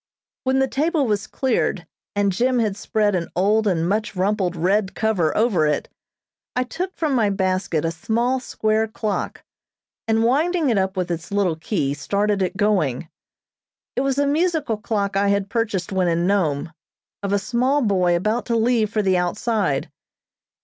When the table was cleared and Jim had spread an old and much rumpled red cover over it, I took from my basket a small square clock, and winding it up with its little key, started it going. It was a musical clock I had purchased when in Nome, of a small boy about to leave for the outside.